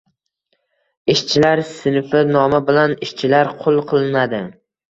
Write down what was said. ishchilar sinfi nomi bilan – ishchilar qul qilinadi;